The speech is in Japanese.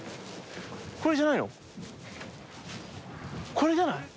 これじゃない？